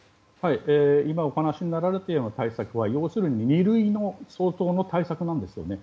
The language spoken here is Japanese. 今お話になられたような対策は要するに二類相当の対策なんですね。